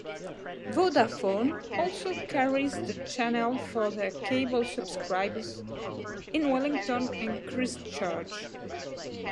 Vodafone also carries the channel for their cable subscribers in Wellington and Christchurch.